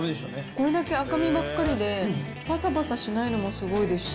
これだけ赤身ばっかりで、ぱさぱさしないのもすごいですし。